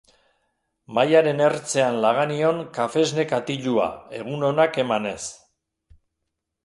Mahaiaren ertzean laga nion kafesne katilua egun onak emanez.